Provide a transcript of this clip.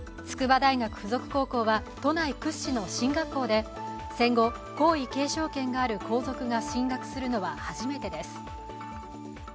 筑波大学附属高校は都内屈指の進学校で戦後、皇位継承権がある皇族が進学するのは初めてです。